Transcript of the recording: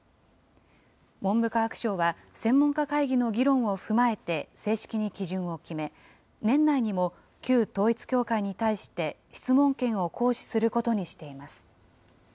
文部科学省は専門家会議の議論を踏まえて正式に基準を決め、年内にも旧統一教会に対して質問権を行使することにしています。